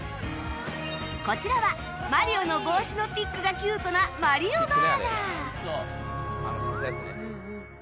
こちらはマリオの帽子のピックがキュートなマリオ・バーガー